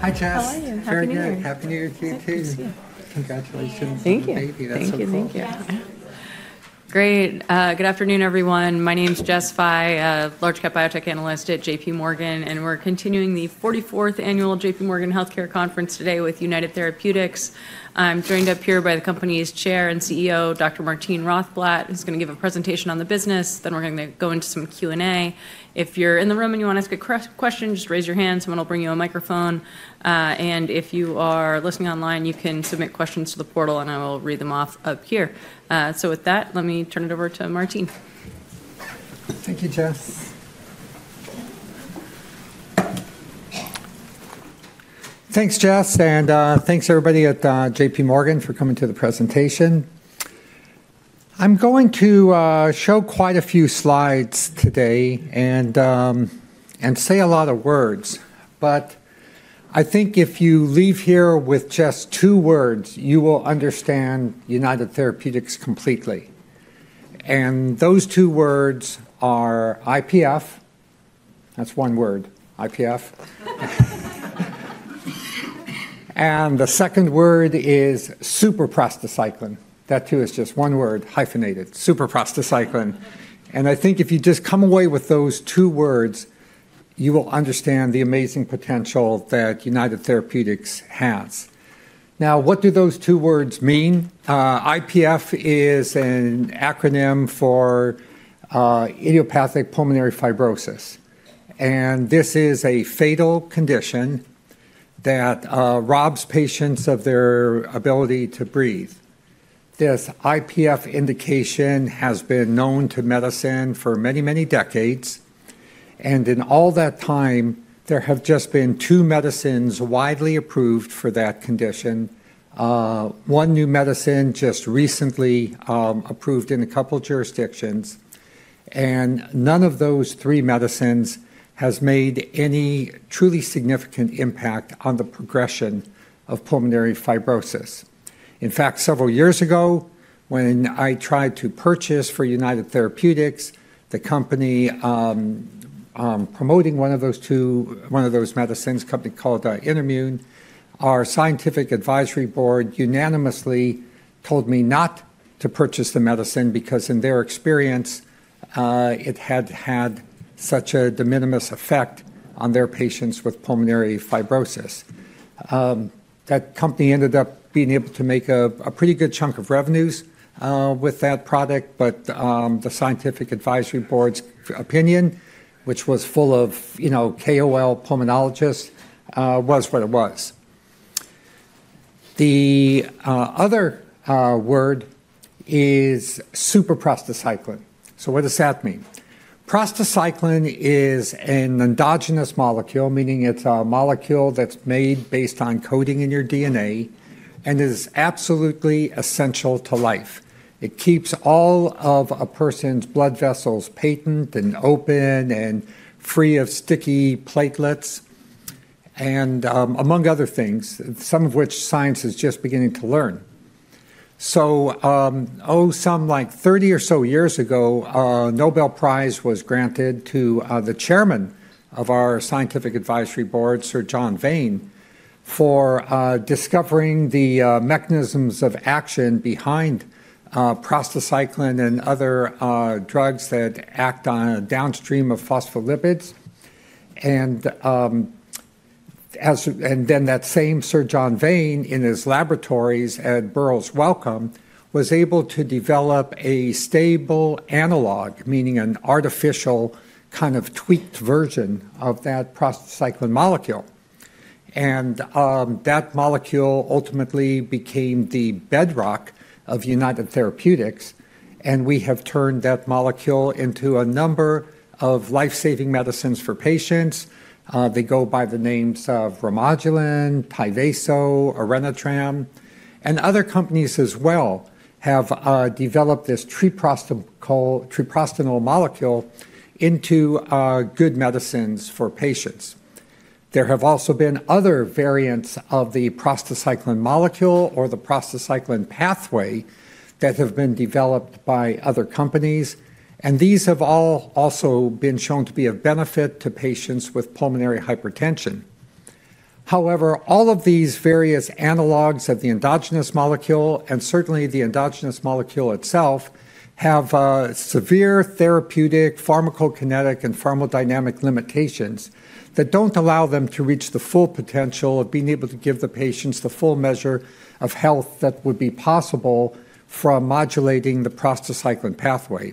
Hi, Jess. How are you? Happy New Year. Happy New Year to you too. Congratulations on the baby. Thank you. Thank you. Thank you. Great. Good afternoon, everyone. My name's Jessica Fye, a large-cap biotech analyst at J.P. Morgan, and we're continuing the 44th Annual J.P. Morgan Healthcare Conference today with United Therapeutics. I'm joined up here by the company's Chair and CEO, Dr. Martine Rothblatt, who's going to give a presentation on the business. Then we're going to go into some Q&A. If you're in the room and you want to ask a question, just raise your hand. Someone will bring you a microphone, and if you are listening online, you can submit questions to the portal, and I will read them off up here, so with that, let me turn it over to Martine. Thank you, Jess. Thanks, Jess. And thanks, everybody at J.P. Morgan, for coming to the presentation. I'm going to show quite a few slides today and say a lot of words. But I think if you leave here with just two words, you will understand United Therapeutics completely. And those two words are IPF. That's one word, IPF. And the second word is super-prostacyclin. That too is just one word, hyphenated, super-prostacyclin. And I think if you just come away with those two words, you will understand the amazing potential that United Therapeutics has. Now, what do those two words mean? IPF is an acronym for idiopathic pulmonary fibrosis. And this is a fatal condition that robs patients of their ability to breathe. This IPF indication has been known to medicine for many, many decades. In all that time, there have just been two medicines widely approved for that condition. One new medicine just recently approved in a couple of jurisdictions. None of those three medicines has made any truly significant impact on the progression of pulmonary fibrosis. In fact, several years ago, when I tried to purchase for United Therapeutics, the company promoting one of those two medicines, a company called InterMune, our scientific advisory board unanimously told me not to purchase the medicine because, in their experience, it had had such a de minimis effect on their patients with pulmonary fibrosis. That company ended up being able to make a pretty good chunk of revenues with that product. The scientific advisory board's opinion, which was full of KOL pulmonologists, was what it was. The other word is super-prostacyclin. What does that mean? Prostacyclin is an endogenous molecule, meaning it's a molecule that's made based on coding in your DNA and is absolutely essential to life. It keeps all of a person's blood vessels patent and open and free of sticky platelets, among other things, some of which science is just beginning to learn. So, oh, some like 30 or so years ago, a Nobel Prize was granted to the chairman of our scientific advisory board, Sir John Vane, for discovering the mechanisms of action behind prostacyclin and other drugs that act on or downstream of phospholipids. And then that same Sir John Vane, in his laboratories at Burroughs Wellcome, was able to develop a stable analog, meaning an artificial kind of tweaked version of that prostacyclin molecule. And that molecule ultimately became the bedrock of United Therapeutics. And we have turned that molecule into a number of lifesaving medicines for patients. They go by the names of Remodulin, Tyvaso, Orenitram, and other companies as well have developed this treprostinil molecule into good medicines for patients. There have also been other variants of the prostacyclin molecule or the prostacyclin pathway that have been developed by other companies. These have all also been shown to be of benefit to patients with pulmonary hypertension. However, all of these various analogs of the endogenous molecule, and certainly the endogenous molecule itself, have severe therapeutic, pharmacokinetic, and pharmacodynamic limitations that don't allow them to reach the full potential of being able to give the patients the full measure of health that would be possible from modulating the prostacyclin pathway.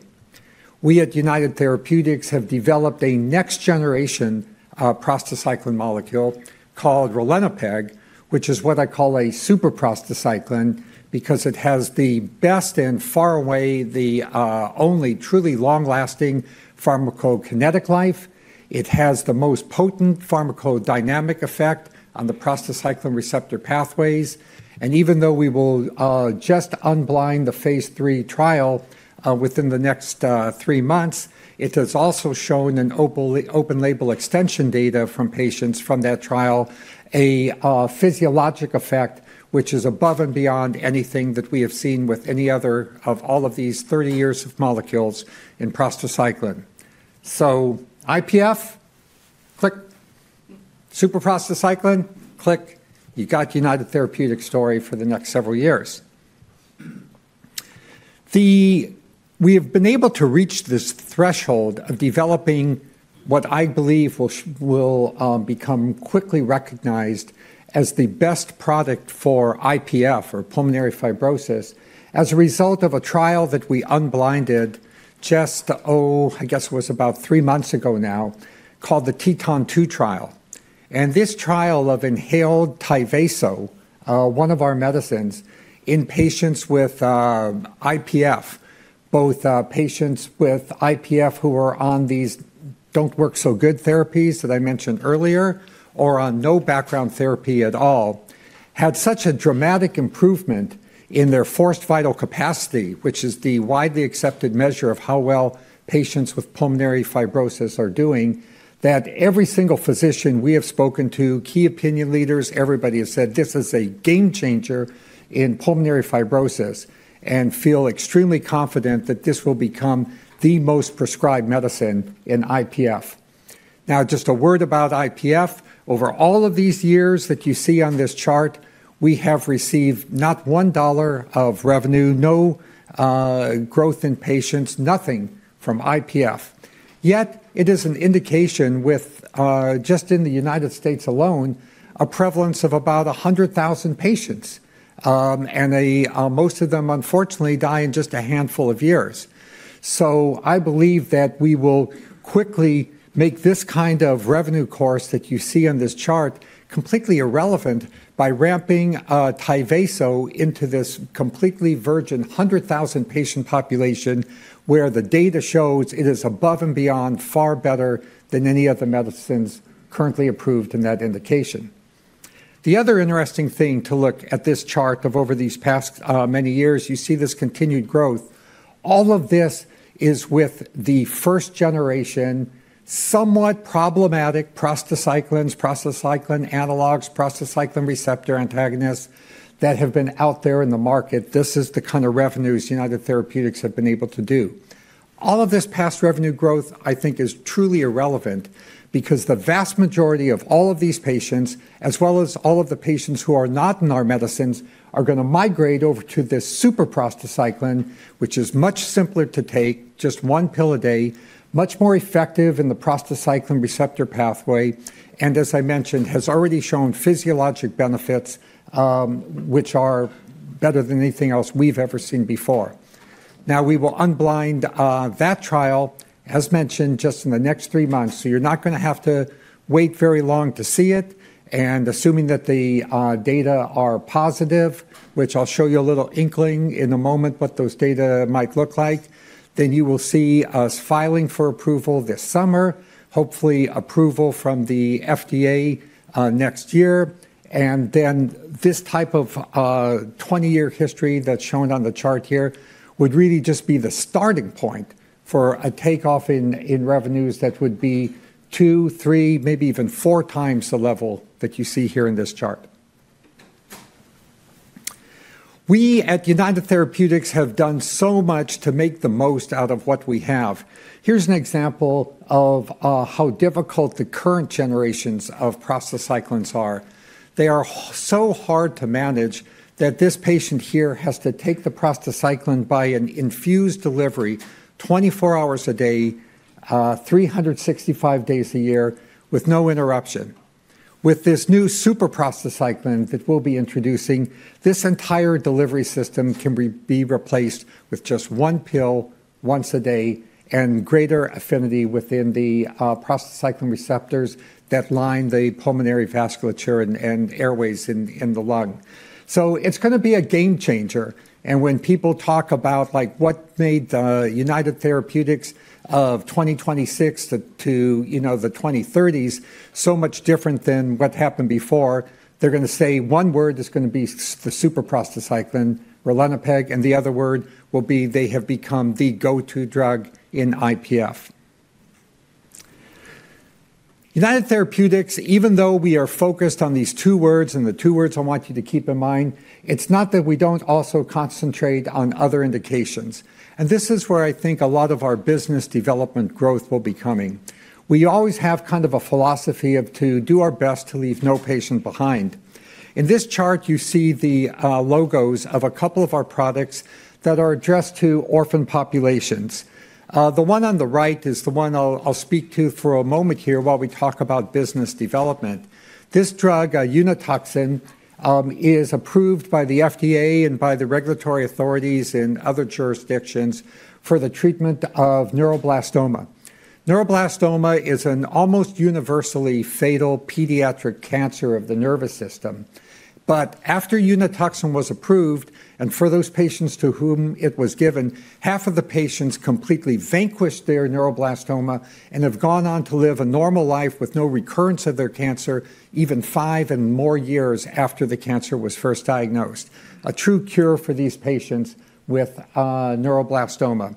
We at United Therapeutics have developed a next-generation prostacyclin molecule called ralinepag, which is what I call a super-prostacyclin because it has the best and by far the only truly long-lasting pharmacokinetic life. It has the most potent pharmacodynamic effect on the prostacyclin receptor pathways. And even though we will just unblind the phase 3 trial within the next three months, it has also shown in open-label extension data from patients from that trial a physiologic effect which is above and beyond anything that we have seen with any other of all of these 30 years of molecules in prostacyclin. So IPF, click. Superprostacyclin, click. You've got United Therapeutics' story for the next several years. We have been able to reach this threshold of developing what I believe will become quickly recognized as the best product for IPF, or pulmonary fibrosis, as a result of a trial that we unblinded just, oh, I guess it was about three months ago now, called the TETON 2 trial. And this trial of inhaled Tyvaso, one of our medicines, in patients with IPF, both patients with IPF who were on these don't-work-so-good therapies that I mentioned earlier, or on no background therapy at all, had such a dramatic improvement in their forced vital capacity, which is the widely accepted measure of how well patients with pulmonary fibrosis are doing, that every single physician we have spoken to, key opinion leaders, everybody has said, "This is a game changer in pulmonary fibrosis," and feel extremely confident that this will become the most prescribed medicine in IPF. Now, just a word about IPF. Over all of these years that you see on this chart, we have received not $1 of revenue, no growth in patients, nothing from IPF. Yet it is an indication with, just in the United States alone, a prevalence of about 100,000 patients. And most of them, unfortunately, die in just a handful of years. So I believe that we will quickly make this kind of revenue course that you see on this chart completely irrelevant by ramping Tyvaso into this completely virgin 100,000-patient population where the data shows it is above and beyond far better than any of the medicines currently approved in that indication. The other interesting thing to look at this chart of over these past many years, you see this continued growth. All of this is with the first-generation, somewhat problematic prostacyclins, prostacyclin analogs, prostacyclin receptor antagonists that have been out there in the market. This is the kind of revenues United Therapeutics have been able to do. All of this past revenue growth, I think, is truly irrelevant because the vast majority of all of these patients, as well as all of the patients who are not in our medicines, are going to migrate over to this super-prostacyclin, which is much simpler to take, just one pill a day, much more effective in the prostacyclin receptor pathway, and, as I mentioned, has already shown physiologic benefits which are better than anything else we've ever seen before. Now, we will unblind that trial, as mentioned, just in the next three months, so you're not going to have to wait very long to see it, and assuming that the data are positive, which I'll show you a little inkling in a moment what those data might look like, then you will see us filing for approval this summer, hopefully approval from the FDA next year. And then this type of 20-year history that's shown on the chart here would really just be the starting point for a takeoff in revenues that would be two, three, maybe even four times the level that you see here in this chart. We at United Therapeutics have done so much to make the most out of what we have. Here's an example of how difficult the current generations of prostacyclins are. They are so hard to manage that this patient here has to take the prostacyclin by an infused delivery 24 hours a day, 365 days a year, with no interruption. With this new super-prostacyclin that we'll be introducing, this entire delivery system can be replaced with just one pill once a day and greater affinity within the prostacyclin receptors that line the pulmonary vasculature and airways in the lung. So it's going to be a game changer. And when people talk about what made United Therapeutics of 2026 to the 2030s so much different than what happened before, they're going to say one word is going to be the super-prostacyclin, Ralinepag, and the other word will be they have become the go-to drug in IPF. United Therapeutics, even though we are focused on these two words and the two words I want you to keep in mind, it's not that we don't also concentrate on other indications. And this is where I think a lot of our business development growth will be coming. We always have kind of a philosophy of to do our best to leave no patient behind. In this chart, you see the logos of a couple of our products that are addressed to orphan populations. The one on the right is the one I'll speak to for a moment here while we talk about business development. This drug, Unituxin, is approved by the FDA and by the regulatory authorities in other jurisdictions for the treatment of neuroblastoma. Neuroblastoma is an almost universally fatal pediatric cancer of the nervous system. But after Unituxin was approved, and for those patients to whom it was given, half of the patients completely vanquished their neuroblastoma and have gone on to live a normal life with no recurrence of their cancer, even five and more years after the cancer was first diagnosed, a true cure for these patients with neuroblastoma.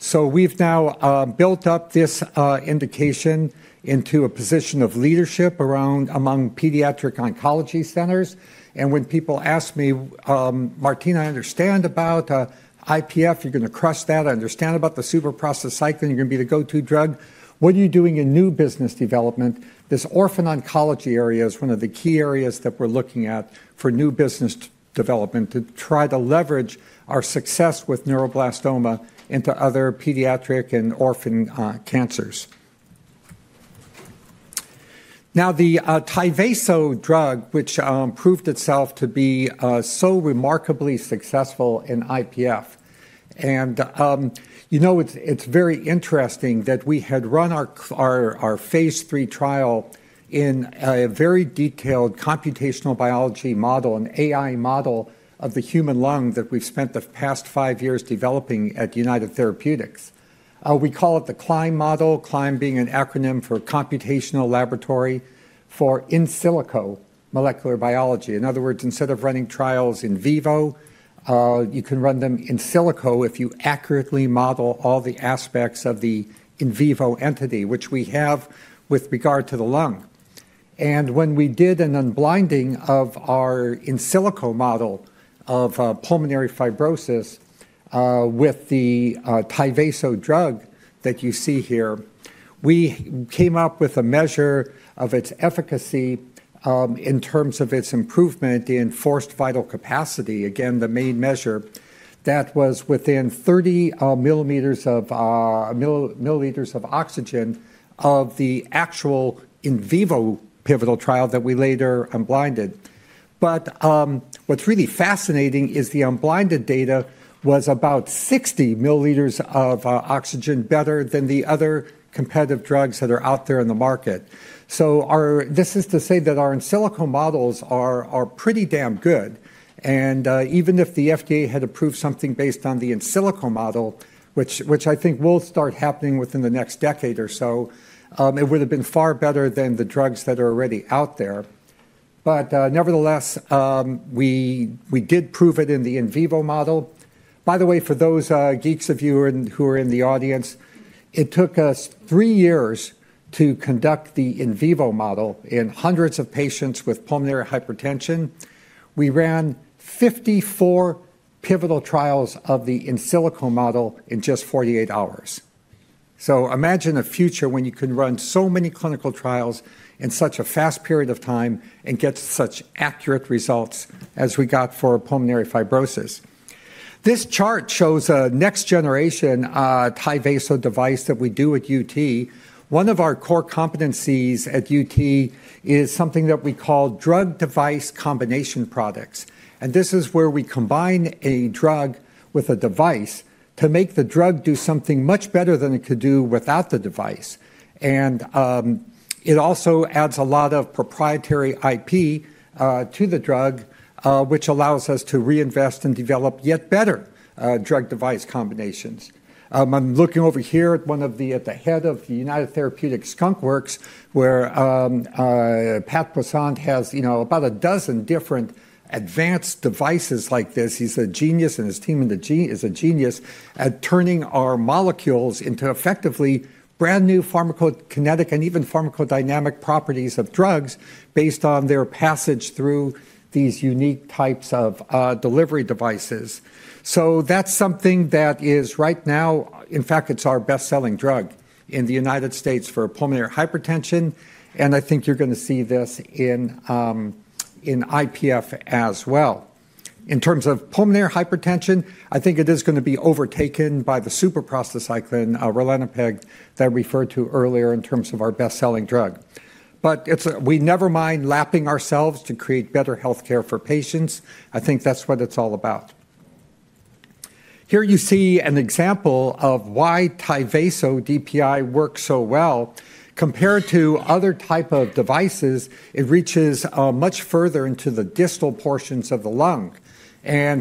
So we've now built up this indication into a position of leadership among pediatric oncology centers. And when people ask me, "Martine, I understand about IPF, you're going to crush that. I understand about the super-prostacyclin, you're going to be the go-to drug. What are you doing in new business development? This orphan oncology area is one of the key areas that we're looking at for new business development to try to leverage our success with neuroblastoma into other pediatric and orphan cancers. Now, the Tyvaso drug, which proved itself to be so remarkably successful in IPF, and it's very interesting that we had run our phase three trial in a very detailed computational biology model, an AI model of the human lung that we've spent the past five years developing at United Therapeutics. We call it the CLIME model, CLIME being an acronym for computational laboratory for in silico molecular biology. In other words, instead of running trials in vivo, you can run them in silico if you accurately model all the aspects of the in vivo entity, which we have with regard to the lung, and when we did an unblinding of our in silico model of pulmonary fibrosis with the Tyvaso drug that you see here, we came up with a measure of its efficacy in terms of its improvement in forced vital capacity. Again, the main measure that was within 30 milliliters of oxygen of the actual in vivo pivotal trial that we later unblinded, but what's really fascinating is the unblinded data was about 60 milliliters of oxygen better than the other competitive drugs that are out there in the market, so this is to say that our in silico models are pretty damn good. Even if the FDA had approved something based on the in silico model, which I think will start happening within the next decade or so, it would have been far better than the drugs that are already out there. But nevertheless, we did prove it in the in vivo model. By the way, for those geeks of you who are in the audience, it took us three years to conduct the in vivo model in hundreds of patients with pulmonary hypertension. We ran 54 pivotal trials of the in silico model in just 48 hours. Imagine a future when you can run so many clinical trials in such a fast period of time and get such accurate results as we got for pulmonary fibrosis. This chart shows a next-generation Tyvaso device that we do at UT. One of our core competencies at UT is something that we call drug-device combination products, and this is where we combine a drug with a device to make the drug do something much better than it could do without the device. And it also adds a lot of proprietary IP to the drug, which allows us to reinvest and develop yet better drug-device combinations. I'm looking over here at one of the heads of the United Therapeutics Skunk Works, where Pat Poisson has about a dozen different advanced devices like this. He's a genius, and his team is a genius at turning our molecules into effectively brand new pharmacokinetic and even pharmacodynamic properties of drugs based on their passage through these unique types of delivery devices. That's something that is right now, in fact, our best-selling drug in the United States for pulmonary hypertension. I think you're going to see this in IPF as well. In terms of pulmonary hypertension, I think it is going to be overtaken by the super-prostacyclin, Ralinepag, that I referred to earlier in terms of our best-selling drug. But we never mind lapping ourselves to create better healthcare for patients. I think that's what it's all about. Here you see an example of why Tyvaso DPI works so well. Compared to other types of devices, it reaches much further into the distal portions of the lung.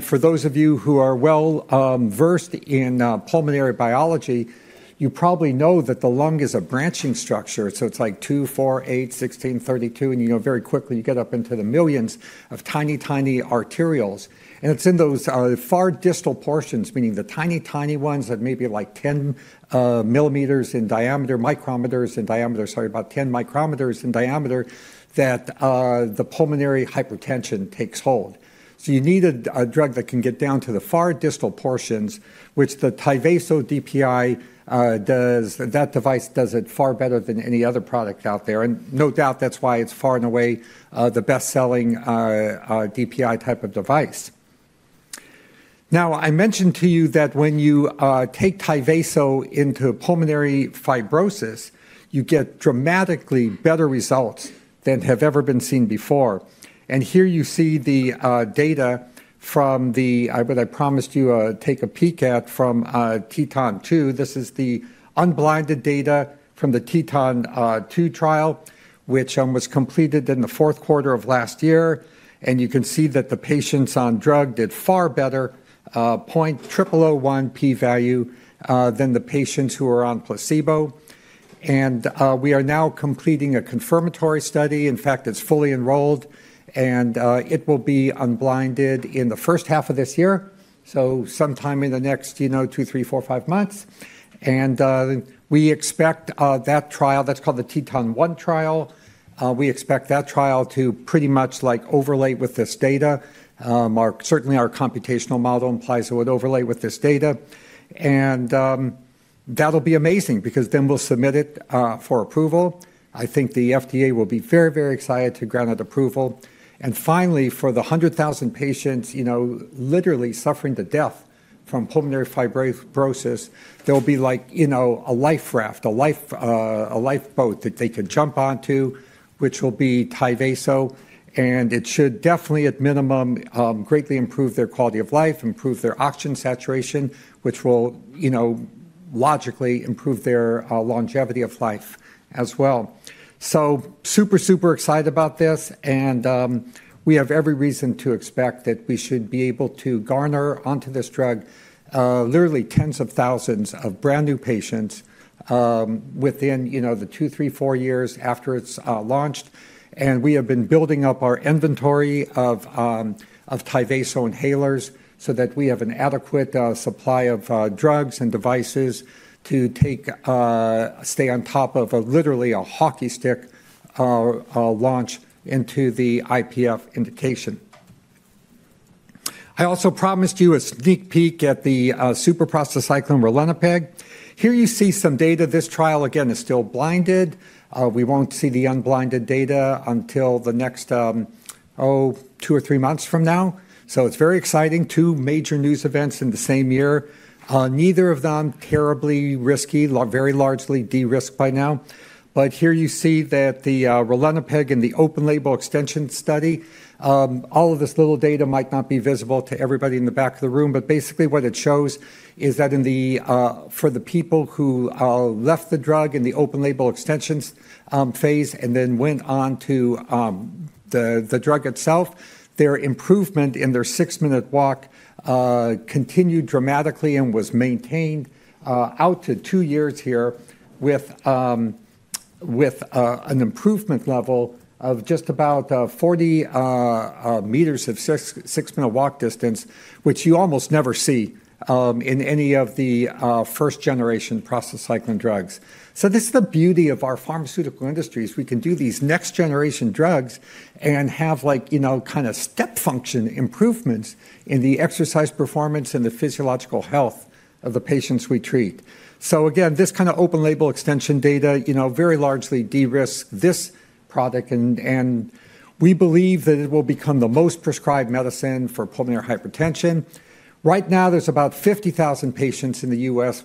For those of you who are well-versed in pulmonary biology, you probably know that the lung is a branching structure. It's like two, four, eight, 16, 32, and you know very quickly you get up into the millions of tiny, tiny arterioles. It's in those far distal portions, meaning the tiny, tiny ones that may be like 10 millimeters in diameter, micrometers in diameter, sorry, about 10 micrometers in diameter, that the pulmonary hypertension takes hold, so you need a drug that can get down to the far distal portions, which the Tyvaso DPI does. That device does it far better than any other product out there, and no doubt that's why it's far and away the best-selling DPI type of device. Now, I mentioned to you that when you take Tyvaso into pulmonary fibrosis, you get dramatically better results than have ever been seen before, and here you see the data from the, what I promised you to take a peek at from TETON 2. This is the unblinded data from the TETON 2 trial, which was completed in the fourth quarter of last year. You can see that the patients on drug did far better, 0.0001 p-value than the patients who are on placebo. We are now completing a confirmatory study. In fact, it's fully enrolled. It will be unblinded in the first half of this year, so sometime in the next two, three, four, five months. We expect that trial that's called the TETON 1 trial, we expect that trial to pretty much overlay with this data. Certainly, our computational model implies it would overlay with this data. That'll be amazing because then we'll submit it for approval. I think the FDA will be very, very excited to grant it approval. Finally, for the 100,000 patients literally suffering to death from pulmonary fibrosis, there will be like a life raft, a lifeboat that they can jump onto, which will be Tyvaso. It should definitely, at minimum, greatly improve their quality of life, improve their oxygen saturation, which will logically improve their longevity of life as well. Super, super excited about this. We have every reason to expect that we should be able to garner onto this drug literally tens of thousands of brand new patients within the two, three, four years after it's launched. We have been building up our inventory of Tyvaso inhalers so that we have an adequate supply of drugs and devices to stay on top of literally a hockey stick launch into the IPF indication. I also promised you a sneak peek at the super-prostacyclin, Ralinepag. Here you see some data. This trial, again, is still blinded. We won't see the unblinded data until the next, oh, two or three months from now. So it's very exciting, two major news events in the same year. Neither of them terribly risky, very largely de-risked by now. But here you see that the Ralinepag and the open-label extension study, all of this little data might not be visible to everybody in the back of the room. But basically, what it shows is that for the people who left the drug in the open-label extensions phase and then went on to the drug itself, their improvement in their six-minute walk continued dramatically and was maintained out to two years here with an improvement level of just about 40 meters of six-minute walk distance, which you almost never see in any of the first-generation prostacyclin drugs. So this is the beauty of our pharmaceutical industries. We can do these next-generation drugs and have kind of step function improvements in the exercise performance and the physiological health of the patients we treat. So again, this kind of open-label extension data very largely de-risked this product. And we believe that it will become the most prescribed medicine for pulmonary hypertension. Right now, there's about 50,000 patients in the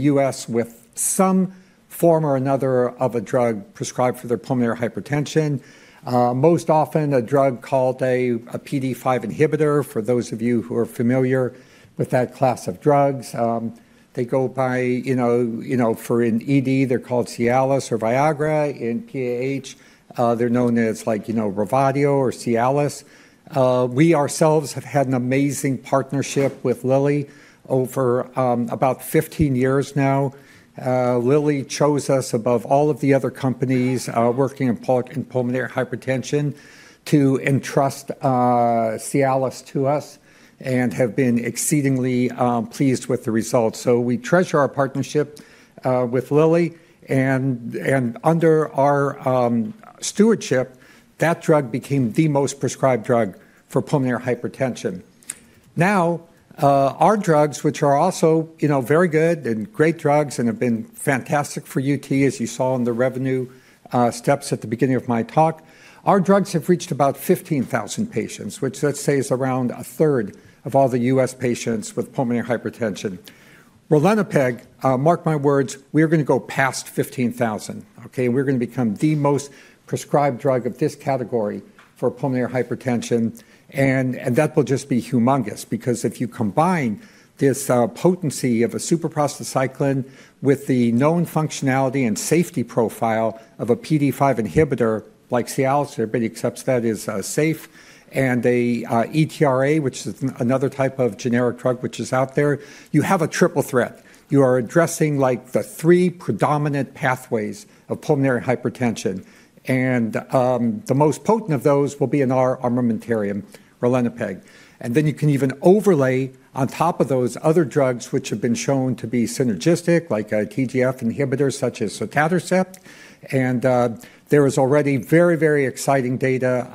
U.S. with some form or another of a drug prescribed for their pulmonary hypertension, most often a drug called a PDE5 inhibitor. For those of you who are familiar with that class of drugs, they go by for an ED, they're called Cialis or Viagra. In PAH, they're known as Revatio or Cialis. We ourselves have had an amazing partnership with Lilly over about 15 years now. Lilly chose us above all of the other companies working in pulmonary hypertension to entrust Cialis to us and have been exceedingly pleased with the results, so we treasure our partnership with Lilly and under our stewardship, that drug became the most prescribed drug for pulmonary hypertension. Now, our drugs, which are also very good and great drugs and have been fantastic for UT, as you saw in the revenue steps at the beginning of my talk, our drugs have reached about 15,000 patients, which let's say is around a third of all the U.S. patients with pulmonary hypertension. Ralinepag, mark my words, we are going to go past 15,000, okay, and we're going to become the most prescribed drug of this category for pulmonary hypertension. That will just be humongous because if you combine this potency of a super-prostacyclin with the known functionality and safety profile of a PDE5 inhibitor like Cialis, everybody accepts that is safe, and an ERA, which is another type of generic drug which is out there, you have a triple threat. You are addressing the three predominant pathways of pulmonary hypertension. The most potent of those will be in our armamentarium, ralinepag. Then you can even overlay on top of those other drugs which have been shown to be synergistic, like a TGF inhibitor such as sotatercept. There is already very, very exciting data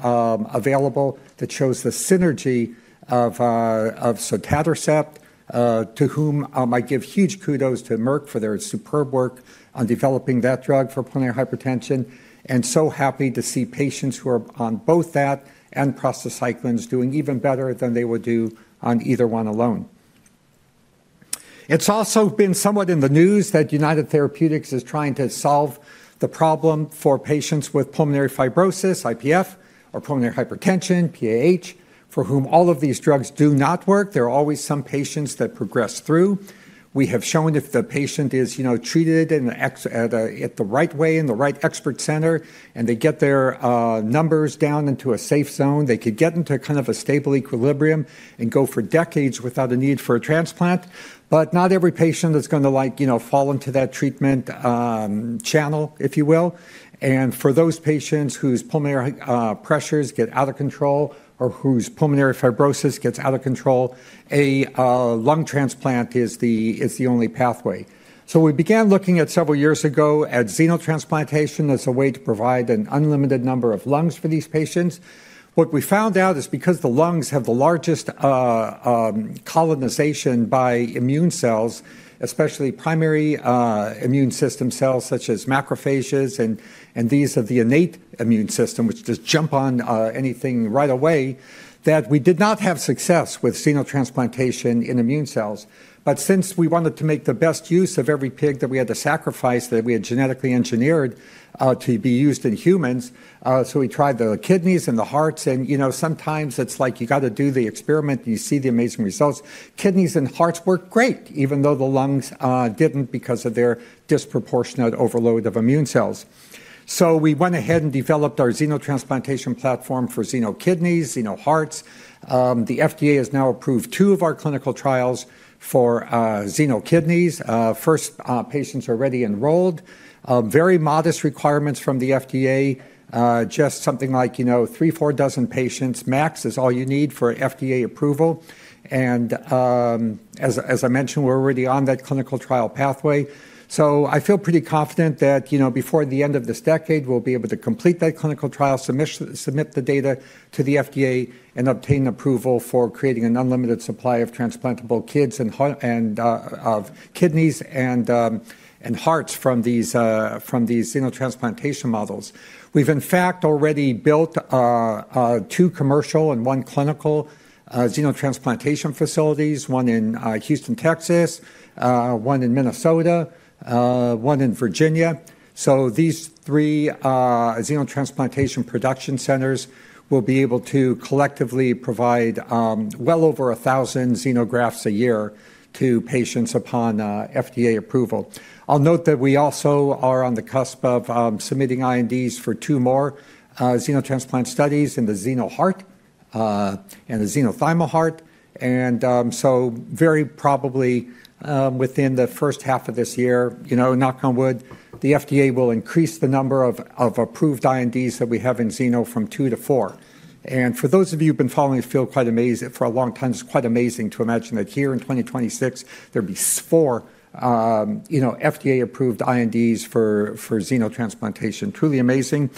available that shows the synergy of sotatercept, to whom I give huge kudos to Merck for their superb work on developing that drug for pulmonary hypertension. And so happy to see patients who are on both that and prostacyclins doing even better than they would do on either one alone. It's also been somewhat in the news that United Therapeutics is trying to solve the problem for patients with pulmonary fibrosis, IPF, or pulmonary hypertension, PAH, for whom all of these drugs do not work. There are always some patients that progress through. We have shown if the patient is treated in the right way in the right expert center and they get their numbers down into a safe zone, they could get into kind of a stable equilibrium and go for decades without a need for a transplant. But not every patient is going to fall into that treatment channel, if you will. For those patients whose pulmonary pressures get out of control or whose pulmonary fibrosis gets out of control, a lung transplant is the only pathway. We began looking several years ago at xenotransplantation as a way to provide an unlimited number of lungs for these patients. What we found out is because the lungs have the largest colonization by immune cells, especially primary immune system cells such as macrophages, and these are the innate immune system, which just jump on anything right away, that we did not have success with xenotransplantation in immune cells. Since we wanted to make the best use of every pig that we had to sacrifice that we had genetically engineered to be used in humans, we tried the kidneys and the hearts. Sometimes it's like you got to do the experiment and you see the amazing results. Kidneys and hearts work great, even though the lungs didn't because of their disproportionate overload of immune cells, so we went ahead and developed our xenotransplantation platform for xeno kidneys, xeno hearts. The FDA has now approved two of our clinical trials for xeno kidneys. First, patients are already enrolled. Very modest requirements from the FDA, just something like three, four dozen patients max is all you need for FDA approval. And as I mentioned, we're already on that clinical trial pathway, so I feel pretty confident that before the end of this decade, we'll be able to complete that clinical trial, submit the data to the FDA, and obtain approval for creating an unlimited supply of transplantable kidneys and hearts from these xenotransplantation models. We've, in fact, already built two commercial and one clinical xenotransplantation facilities, one in Houston, Texas, one in Minnesota, one in Virginia. These three xenotransplantation production centers will be able to collectively provide well over 1,000 xenografts a year to patients upon FDA approval. I'll note that we also are on the cusp of submitting INDs for two more xenotransplant studies in the xeno-heart and the xeno-thymic heart. Very probably within the first half of this year, knock on wood, the FDA will increase the number of approved INDs that we have in xeno from two to four. For those of you who've been following, you feel quite amazed for a long time. It's quite amazing to imagine that here in 2026, there'll be four FDA-approved INDs for xenotransplantation. Truly amazing.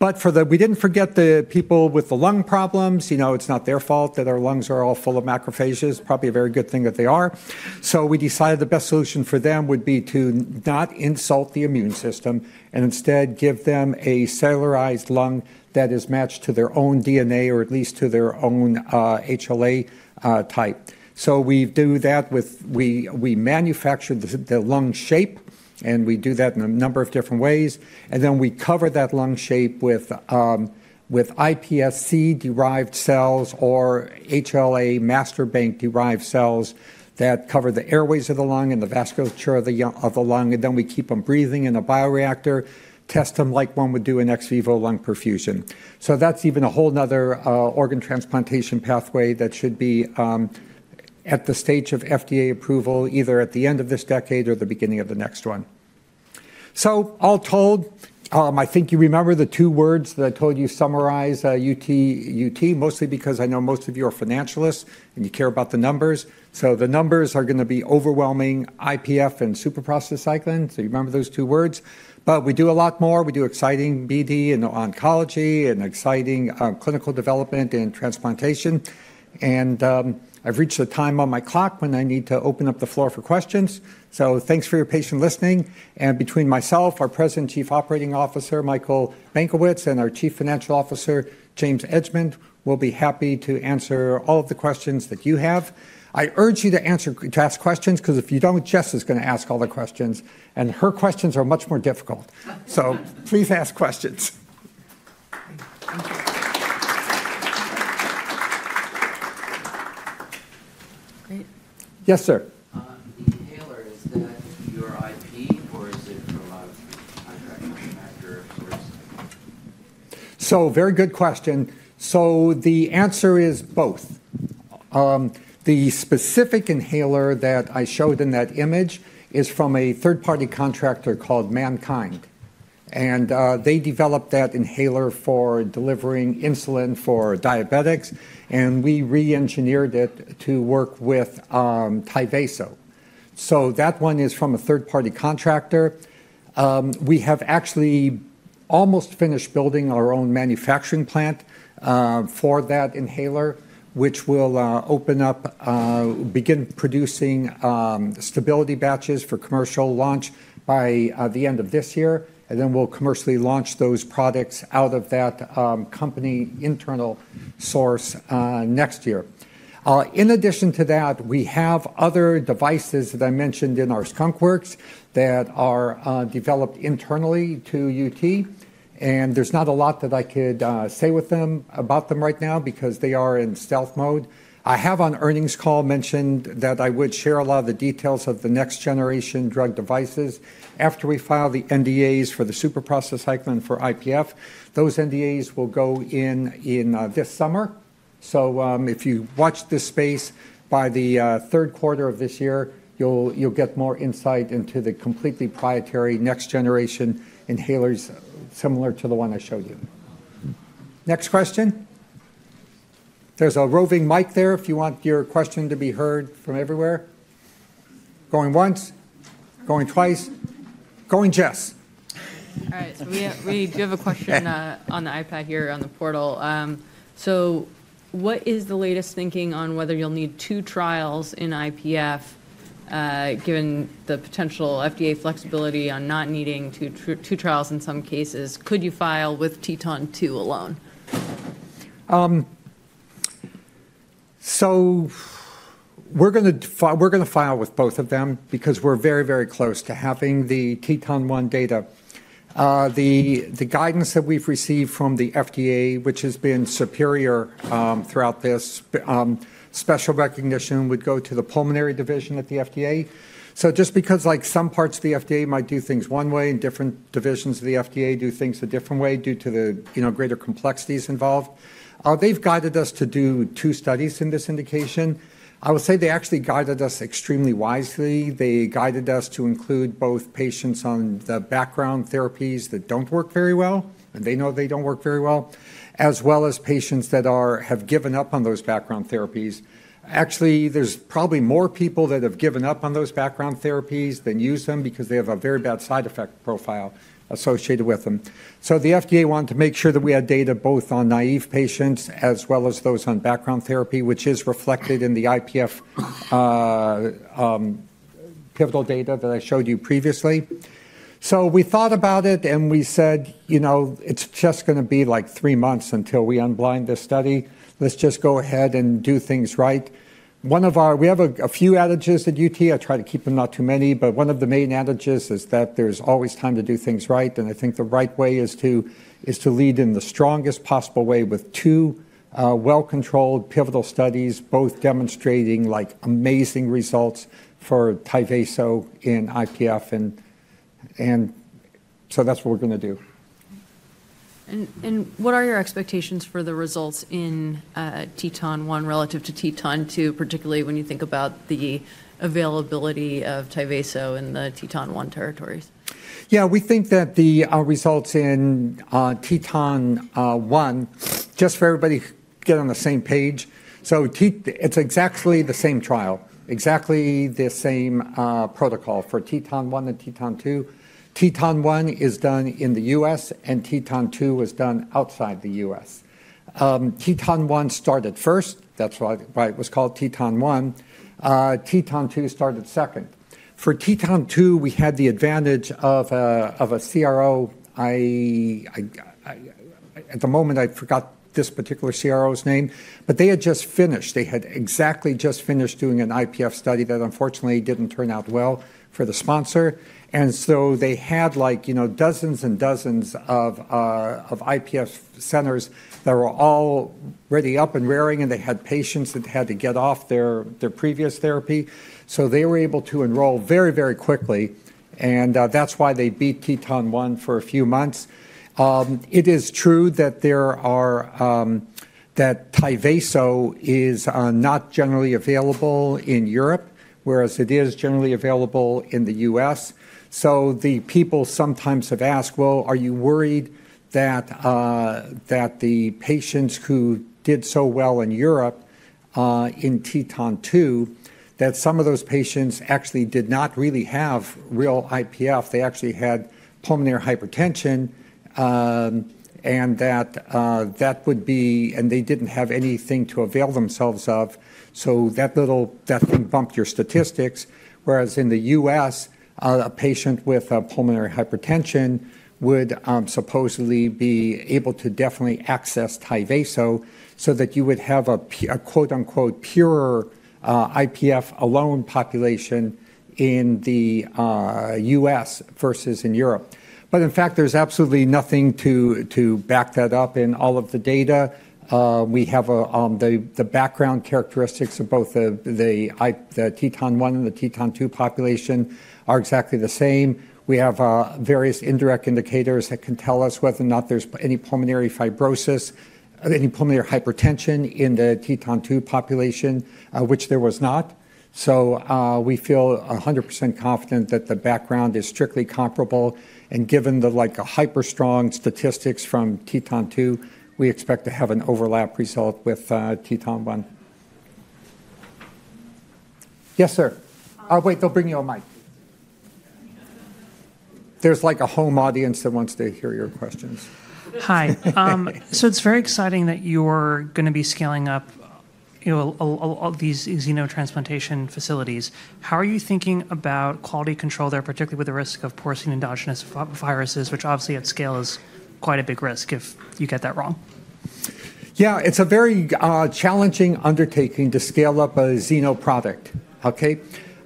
We didn't forget the people with the lung problems. It's not their fault that our lungs are all full of macrophages. Probably a very good thing that they are. We decided the best solution for them would be to not insult the immune system and instead give them a cellularized lung that is matched to their own DNA or at least to their own HLA type. We do that. We manufacture the lung shape, and we do that in a number of different ways. Then we cover that lung shape with iPSC-derived cells or HLA master bank-derived cells that cover the airways of the lung and the vasculature of the lung. Then we keep them breathing in a bioreactor, test them like one would do an ex vivo lung perfusion. That's even a whole nother organ transplantation pathway that should be at the stage of FDA approval either at the end of this decade or the beginning of the next one. So all told, I think you remember the two words that I told you summarize UT, mostly because I know most of you are financialists and you care about the numbers. So the numbers are going to be overwhelming IPF and super-prostacyclin. So you remember those two words. But we do a lot more. We do exciting BD in oncology and exciting clinical development and transplantation. And I've reached a time on my clock when I need to open up the floor for questions. So thanks for your patience listening. And between myself, our President, Chief Operating Officer, Michael Benkowitz, and our Chief Financial Officer, James Edgemond, we'll be happy to answer all of the questions that you have. I urge you to ask questions because if you don't, Jess is going to ask all the questions. And her questions are much more difficult. So please ask questions. Great. Yes, sir. The inhaler, is that your IP or is it from a contract contractor source? So very good question. So the answer is both. The specific inhaler that I showed in that image is from a third-party contractor called MannKind. And they developed that inhaler for delivering insulin for diabetics. And we re-engineered it to work with Tyvaso. So that one is from a third-party contractor. We have actually almost finished building our own manufacturing plant for that inhaler, which will open up, begin producing stability batches for commercial launch by the end of this year. And then we'll commercially launch those products out of that company internal source next year. In addition to that, we have other devices that I mentioned in our skunkworks that are developed internally to UT. And there's not a lot that I could say about them right now because they are in stealth mode. I have on earnings call mentioned that I would share a lot of the details of the next-generation drug devices after we file the NDAs for the super-prostacyclin for IPF. Those NDAs will go in this summer. So if you watch this space by the third quarter of this year, you'll get more insight into the completely proprietary next-generation inhalers similar to the one I showed you. Next question. There's a roving mic there if you want your question to be heard from everywhere. Going once, going twice, going Jess. All right. We do have a question on the iPad here on the portal. So what is the latest thinking on whether you'll need two trials in IPF given the potential FDA flexibility on not needing two trials in some cases? Could you file with TETON 2 alone? So we're going to file with both of them because we're very, very close to having the TETON 1 data. The guidance that we've received from the FDA, which has been superior throughout this, special recognition would go to the pulmonary division at the FDA. So just because some parts of the FDA might do things one way and different divisions of the FDA do things a different way due to the greater complexities involved, they've guided us to do two studies in this indication. I will say they actually guided us extremely wisely. They guided us to include both patients on the background therapies that don't work very well, and they know they don't work very well, as well as patients that have given up on those background therapies. Actually, there's probably more people that have given up on those background therapies than use them because they have a very bad side effect profile associated with them. So the FDA wanted to make sure that we had data both on naive patients as well as those on background therapy, which is reflected in the IPF pivotal data that I showed you previously. So we thought about it and we said, "It's just going to be like three months until we unblind this study. Let's just go ahead and do things right." We have a few adages at UT. I try to keep them not too many. But one of the main adages is that there's always time to do things right. And I think the right way is to lead in the strongest possible way with two well-controlled pivotal studies, both demonstrating amazing results for Tyvaso in IPF. And so that's what we're going to do. And what are your expectations for the results in TETON 1 relative to TETON 2, particularly when you think about the availability of Tyvaso in the TETON 1 territories? Yeah, we think that the results in TETON 1, just for everybody to get on the same page, so it's exactly the same trial, exactly the same protocol for TETON 1 and TETON 2. TETON 1 is done in the U.S. and TETON 2 was done outside the U.S. TETON 1 started first. That's why it was called TETON 1. TETON 2 started second. For TETON 2, we had the advantage of a CRO. At the moment, I forgot this particular CRO's name. But they had just finished. They had exactly just finished doing an IPF study that unfortunately didn't turn out well for the sponsor. So they had dozens and dozens of IPF centers that were all ready up and rearing. They had patients that had to get off their previous therapy. So they were able to enroll very, very quickly. And that's why they beat TETON 1 for a few months. It is true that Tyvaso is not generally available in Europe, whereas it is generally available in the U.S. So the people sometimes have asked, "Well, are you worried that the patients who did so well in Europe in TETON 2, that some of those patients actually did not really have real IPF? They actually had pulmonary hypertension and that would be and they didn't have anything to avail themselves of." So that thing bumped your statistics. Whereas in the U.S., a patient with pulmonary hypertension would supposedly be able to definitely access Tyvaso so that you would have a "pure IPF alone population" in the U.S. versus in Europe. But in fact, there's absolutely nothing to back that up in all of the data. We have the background characteristics of both the TETON 1 and the TETON 2 population are exactly the same. We have various indirect indicators that can tell us whether or not there's any pulmonary fibrosis, any pulmonary hypertension in the TETON 2 population, which there was not. So we feel 100% confident that the background is strictly comparable. And given the hyper-strong statistics from TETON 2, we expect to have an overlap result with TETON 1. Yes, sir. Wait, they'll bring you a mic. There's a home audience that wants to hear your questions. Hi. So it's very exciting that you're going to be scaling up these xenotransplantation facilities. How are you thinking about quality control there, particularly with the risk of porcine endogenous viruses, which obviously at scale is quite a big risk if you get that wrong? Yeah, it's a very challenging undertaking to scale up a xeno product. Okay?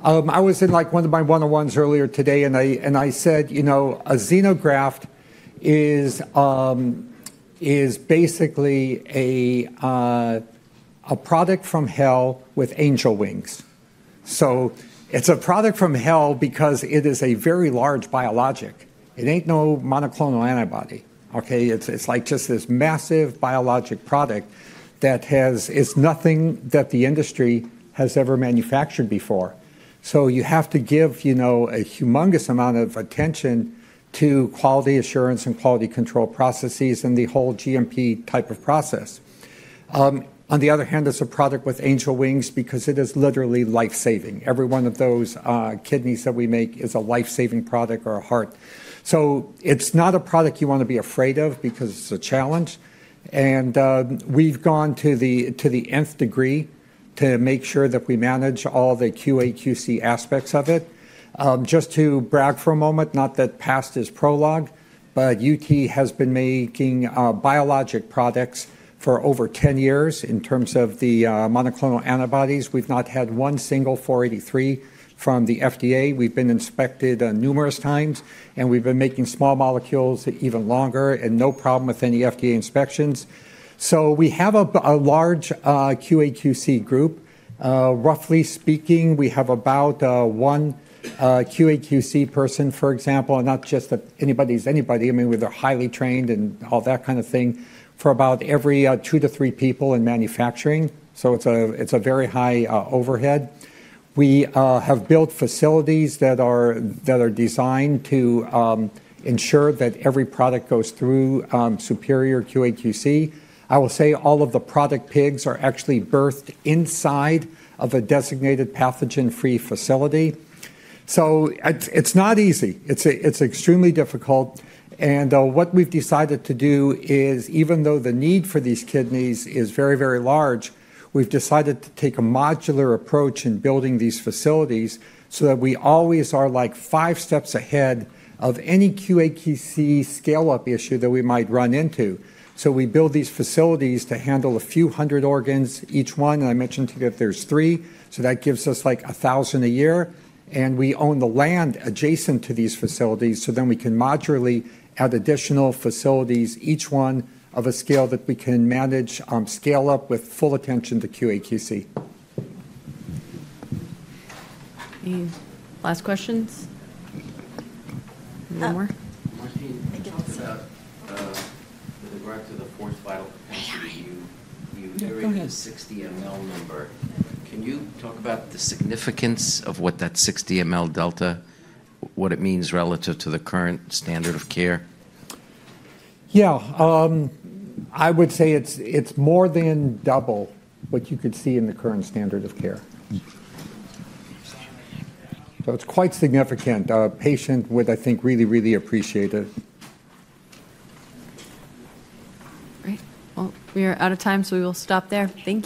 I was in one of my one-on-ones earlier today and I said, "A xenograft is basically a product from hell with angel wings." So it's a product from hell because it is a very large biologic. It ain't no monoclonal antibody. Okay? It's just this massive biologic product that has nothing that the industry has ever manufactured before. So you have to give a humongous amount of attention to quality assurance and quality control processes and the whole GMP type of process. On the other hand, it's a product with angel wings because it is literally life-saving. Every one of those kidneys that we make is a life-saving product or a heart. So it's not a product you want to be afraid of because it's a challenge. And we've gone to the nth degree to make sure that we manage all the QA/QC aspects of it. Just to brag for a moment, not that past is prologue, but UT has been making biologic products for over 10 years in terms of the monoclonal antibodies. We've not had one single 483 from the FDA. We've been inspected numerous times and we've been making small molecules even longer and no problem with any FDA inspections. So we have a large QA/QC group. Roughly speaking, we have about one QA/QC person, for example, and not just anybody's anybody. I mean, they're highly trained and all that kind of thing for about every two to three people in manufacturing. So it's a very high overhead. We have built facilities that are designed to ensure that every product goes through superior QA/QC. I will say all of the product pigs are actually birthed inside of a designated pathogen-free facility. So it's not easy. It's extremely difficult, and what we've decided to do is, even though the need for these kidneys is very, very large, we've decided to take a modular approach in building these facilities so that we always are five steps ahead of any QA/QC scale-up issue that we might run into. So we build these facilities to handle a few hundred organs each one, and I mentioned to you that there's three. So that gives us like 1,000 a year. And we own the land adjacent to these facilities so then we can modularly add additional facilities each one of a scale that we can manage scale up with full attention to QA/QC. Last questions? No more? Martine, I guess with regard to the forced vital capacity review, you heard a 60 mL number. Can you talk about the significance of what that 60 mL delta, what it means relative to the current standard of care? Yeah. I would say it's more than double what you could see in the current standard of care. So it's quite significant. A patient would, I think, really, really appreciate it. Great. Well, we are out of time, so we will stop there. Thank you.